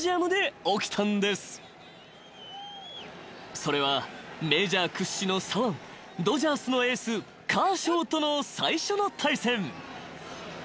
［それはメジャー屈指の左腕ドジャースのエースカーショウとの最初の対戦］